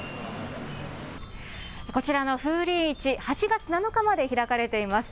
こちらの風鈴市、８月７日まで開かれています。